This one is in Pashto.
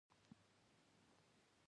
زه د انټرنیټ کاروم.